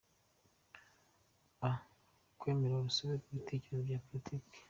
A. Kwemera urusobe rw’ibitekerezo bya Politiki: